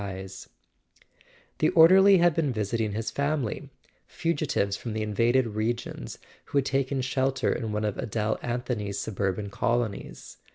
[ 377 ] A SON AT THE FRONT The orderly had been visiting his family, fugitives from the invaded regions who had taken shelter in one of Adele Anthony's suburban colonies.